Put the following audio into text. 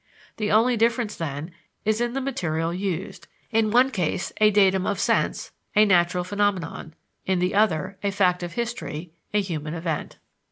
The only difference, then, is in the material used; in one case, a datum of sense, a natural phenomenon; in the other, a fact of history, a human event.